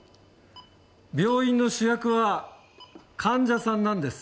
病院の主役は患者さんなんです。